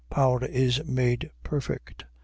Power is made perfect. ..